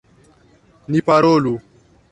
Ni parolu.